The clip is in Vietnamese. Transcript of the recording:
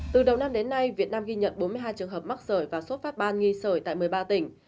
từ đầu năm đến nay việt nam ghi nhận bốn mươi hai trường hợp mắc sởi và sốt phát ban nghi sởi tại một mươi ba tỉnh